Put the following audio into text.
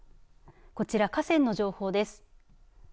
こちら、河川の情報です。